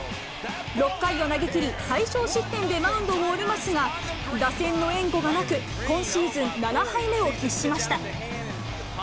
６回を投げきり、最少失点でマウンドを降りますが、打線の援護がなく、今シーズン７敗目を喫しました。